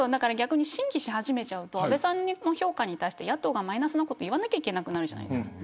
審議し始めちゃうと安倍さんの評価に対して野党がマイナスなこと言わなければならなくなるじゃないですか。